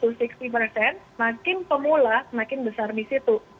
mungkin sekitar lima puluh enam puluh makin pemula makin besar di situ